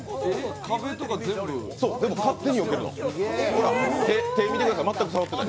壁とか勝手によけるの。